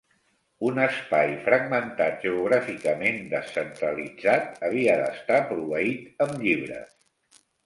Un espai fragmentat geogràficament descentralitzat havia d'estar proveït amb llibres.